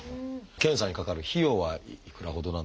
検査にかかる費用はいくらほどなんでしょうか？